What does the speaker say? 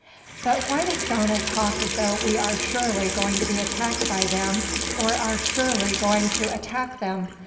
But why does Donald talk as though we are surely going to be attacked by them, or are surely going to attack them?